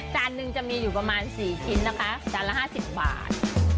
จานนึงจะมีอยู่ประมาณ๔ชิ้นนะคะจานละ๕๐บาท